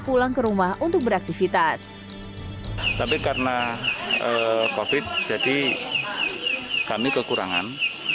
pulang ke rumah untuk beraktivitas tapi karena covid jadi kami kekurangan